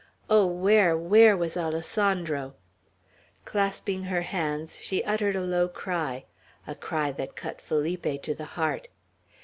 Oh, where, where was Alessandro! Clasping her hands, she uttered a low cry, a cry that cut Felipe to the heart.